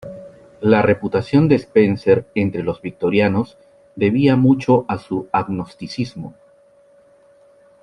La reputación de Spencer entre los victorianos debía mucho a su agnosticismo.